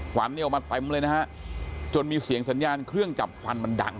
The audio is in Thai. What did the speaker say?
ขวัญเนี่ยออกมาเต็มเลยนะฮะจนมีเสียงสัญญาณเครื่องจับควันมันดัง